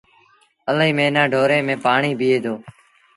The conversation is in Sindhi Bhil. الهيٚ موهيݩآ ڍوري ميݩ پڻيٚ بيٚهي دو۔